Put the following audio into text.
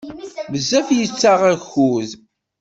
Bezzef yettaɣ akud.